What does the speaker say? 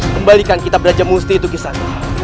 kembalikan kitab raja musti itu kisah